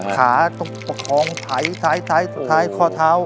ขาต้องประคองถ่ายขอเท้า